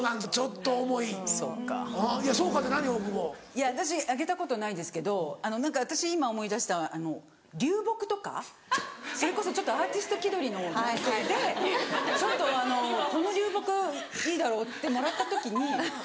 いや私あげたことないんですけど何か私今思い出したのは流木とかそれこそちょっとアーティスト気取りの男性でちょっとこの流木いいだろ？ってもらった時に。